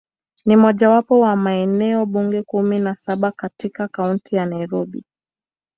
Ni mojawapo wa maeneo bunge kumi na saba katika Kaunti ya Nairobi.